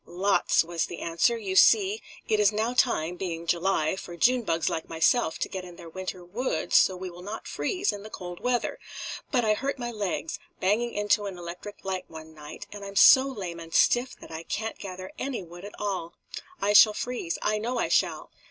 "Lots," was the answer. "You see it is now time, being July, for June bugs like myself to get in their winter wood so we will not freeze in the cold weather. But I hurt my legs, banging into an electric light one night, and I'm so lame and stiff that I can't gather any wood at all. I shall freeze, I know I shall!"